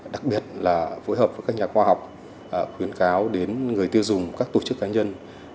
đặc biệt là phối hợp với các nhà khoa học khuyến cáo đến người tiêu dùng các tổ chức cá nhân